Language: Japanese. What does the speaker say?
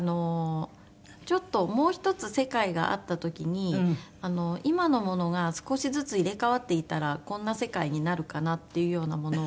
ちょっともう１つ世界があった時に今のものが少しずつ入れ替わっていたらこんな世界になるかなっていうようなものを。